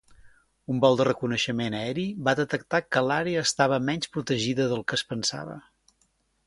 Un vol de reconeixement aeri va detectar que l'àrea estava menys protegida del que es pensava.